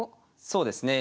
そうですね。